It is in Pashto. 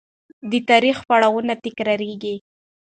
د تاریخ پړاوونه تکرارېږي.